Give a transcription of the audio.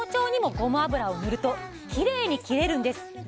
ごま油を塗るときれいに切れるんです